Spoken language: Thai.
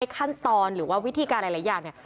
ขั้นตอนหรือว่าวิธีการหลายอย่างเนี่ย